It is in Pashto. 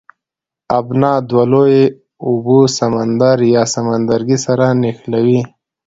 ابنا دوه لویې اوبه سمندر یا سمندرګی سره نښلوي.